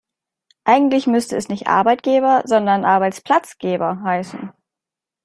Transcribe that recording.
Eigentlich müsste es nicht Arbeitgeber, sondern Arbeitsplatzgeber heißen.